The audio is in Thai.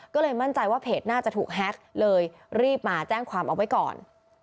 ก็เลยมั่นใจว่าเพจน่าจะถูกแฮ็กเลยรีบมาแจ้งความเอาไว้ก่อน